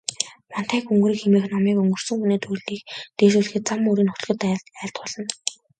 Вантай гүнгэрэг хэмээх номыг өнгөрсөн хүний төрлийг дээшлүүлэхэд, зам мөрийг нь хөтлөхөд айлтгуулна.